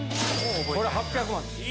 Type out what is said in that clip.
これ８００万ですよ。